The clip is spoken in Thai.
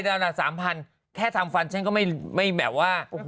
เรื่องไรน่ะ๓๐๐๐บาทแค่ทำฟันฉันก็ไม่แบบว่า